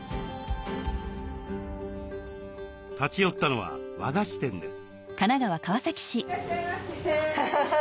立ち寄ったのは和菓子店です。